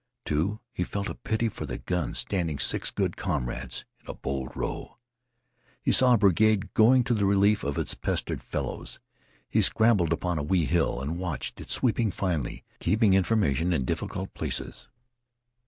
Too, he felt a pity for the guns, standing, six good comrades, in a bold row. He saw a brigade going to the relief of its pestered fellows. He scrambled upon a wee hill and watched it sweeping finely, keeping formation in difficult places.